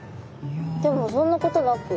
でもそんなことなく。